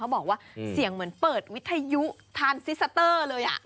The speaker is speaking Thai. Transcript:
บอกว่าเสียงเหมือนเปิดวิทยุทานซิสเตอร์เลย